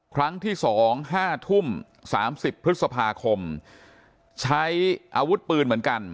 ครั้งที่๒๕ทุ่ม๓๐พฤษภาคมใช้อาวุธปืนเหมือนกัน